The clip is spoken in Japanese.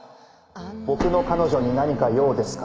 僕の彼女に何か用ですか？